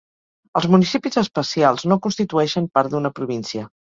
Els municipis especials no constitueixen part d'una província.